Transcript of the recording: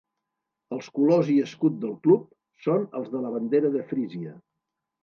Els colors i escut del club són els de la bandera de Frísia.